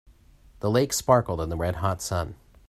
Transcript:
The lake sparkled in the red hot sun.